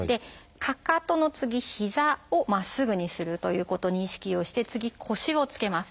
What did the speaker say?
かかとの次膝をまっすぐにするということに意識をして次腰をつけます。